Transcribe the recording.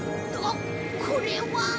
ここれは。